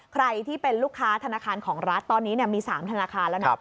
ใครที่เป็นลูกค้าธนาคารของรัฐตอนนี้มี๓ธนาคารแล้วนะ